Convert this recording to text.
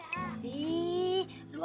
eh raun puasa